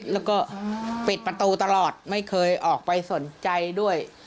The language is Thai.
แล้วก็ปิดประตูตลอดไม่เคยออกไปสนใจด้วย